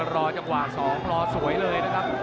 รอจังหวะ๒รอสวยเลยนะครับ